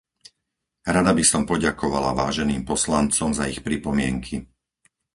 Rada by som poďakovala váženým poslancom za ich pripomienky.